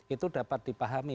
itu dapat dipahami